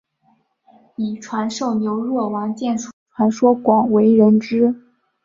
以传授牛若丸剑术的传说广为人知。